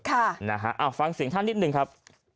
ค่ะฟั้งสิ่งแท่นนิดหนึ่งครับ